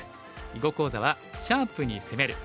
囲碁講座は「シャープに攻める」。